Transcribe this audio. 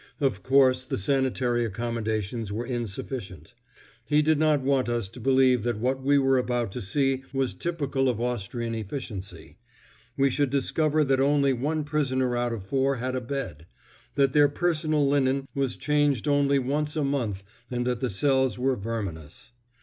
Of course the sanitary accommodations were insufficient. He did not want us to believe that what we were about to see was typical of Austrian efficiency. We should discover that only one prisoner out of four had a bed; that their personal linen was changed only once a month and that the cells were verminous.